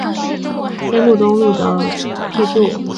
天目东路的辟筑始于清朝末年。